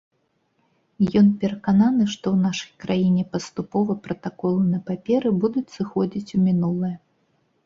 Ён перакананы, што ў нашай краіне паступова пратаколы на паперы будуць сыходзіць у мінулае.